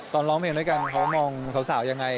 ตอนร้องเพลงด้วยกันเขามองสาวอย่างไร